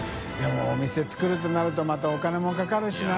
任お店つくるとなるとまたお金もかかるしな。